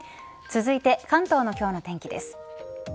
続いて関東の今日の天気です。